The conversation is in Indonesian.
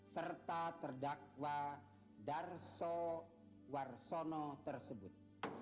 serta terdakwa darso warsono tersebut